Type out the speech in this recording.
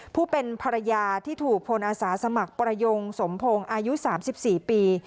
ผู้เป็นภรรยาที่ถูกพลอาสาสมัครประยงสมพงศ์อายุ๓๔ปี